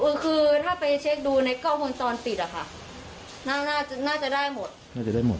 เออคือถ้าไปเช็คดูในเก้าเงินตอนติดอ่ะค่ะน่าจะได้หมดน่าจะได้หมด